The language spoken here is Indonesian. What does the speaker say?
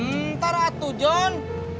ntar atuh jon